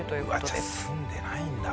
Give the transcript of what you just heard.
じゃあ住んでないんだ。